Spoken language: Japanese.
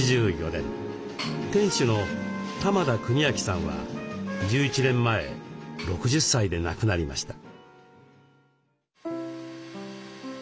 店主の玉田國昭さんは１１年前６０歳で亡くなりました。